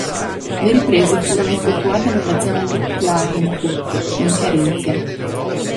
Le riprese furono effettuate nella zona di Klagenfurt, in Carinzia.